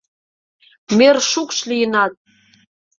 Мӧр шукш лийынат!